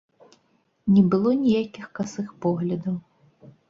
Не было ніякіх касых поглядаў.